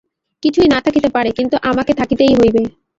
কিছুই না থাকিতে পারে, কিন্তু আমাকে থাকিতেই হইবে।